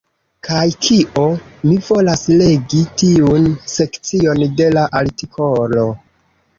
Kaj kio? Mi volas legi tiun sekcion de la artikolo.